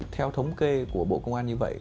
theo thống kê của bộ công an như vậy